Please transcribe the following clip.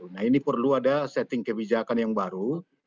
nah ini perlu ada setting kebijakan yang baru